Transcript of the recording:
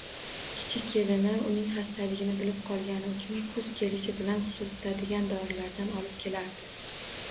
Kichik kelini uning xastaligini bilib qolgani uchun kuz kelishi bilan surtadigan dorilardan olib kelardi